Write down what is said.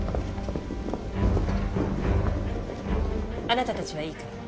あなたたちはいいから。